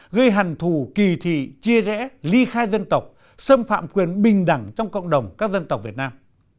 gây hằn thù kỳ thị chia rẽ ly khai dân tộc xâm phạm quyền bình đẳng trong cộng đồng các dân tộc việt nam